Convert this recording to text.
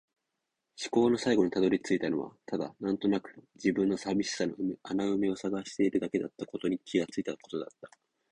思考の最後に辿り着いたのはただ、なんとなくの自分の寂しさの穴埋めを探しているだけだったことに気がついたことだった。